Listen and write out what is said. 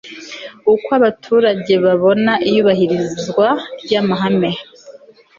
uko abaturage babona iyubahirizwa ry amahame